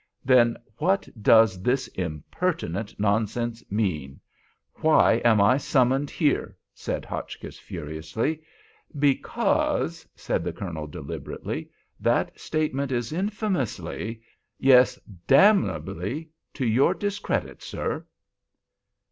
"Then what does this impertinent nonsense mean? Why am I summoned here?" said Hotchkiss, furiously. "Because," said the Colonel, deliberately, "that statement is infamously—yes, damnably to your discredit, sir!"